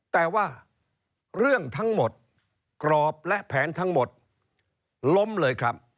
แต่ว่าเรื่องทั้งหมดกรอบและแผนทั้งหมดล้มเลยครับ